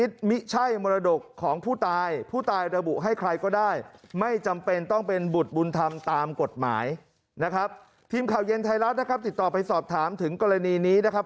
ทำตามกฎหมายนะครับทีมข่าวเย็นไทยรัฐนะครับติดต่อไปสอบถามถึงกรณีนี้นะครับ